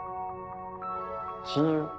「親友」？